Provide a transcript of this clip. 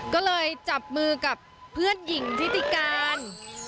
ก็เลยจับมือกับเพื่อนหญิงทิติการ